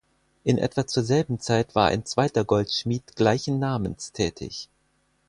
In etwa zur selben Zeit war ein zweiter Goldschmied gleichen Namens tätig.